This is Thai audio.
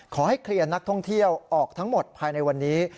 ขอให้เคลียร์นักท่องเที่ยวออกทั้งหมดภายในวันนี้